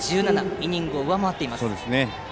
イニングを上回っています。